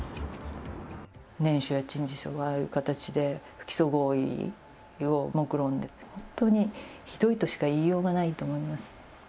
念書や陳述書が、そういう形でもくろんで、本当にひどいとしか言いようがないと思います。